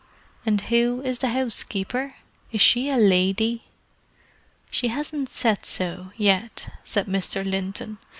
"And who is the housekeeper? Is she a lady?" "She hasn't said so, yet," said Mr. Linton.